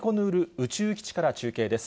宇宙基地から中継です。